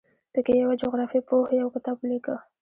په کې یوه جغرافیه پوه یو کتاب ولیکه.